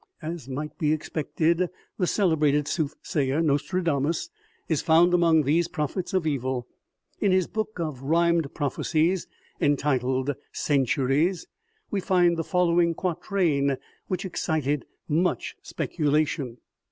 As might be expected, the celebrated soothsayer, Nostradamus, is found among these prophets of evil. In his book of rhymed prophecies, en titled Centuries, we find the following quatrain, which excited much speculation : 148 OMEGA.